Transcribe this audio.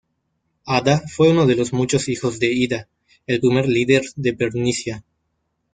Adda fue uno de los muchos hijos de Ida, el primer líder de Bernicia.